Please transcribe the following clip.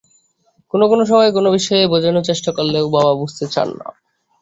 কোনো কোনো সময় কোনো বিষয়ে বোঝানোর চেষ্টা করলেও বাবা বুঝতে চান না।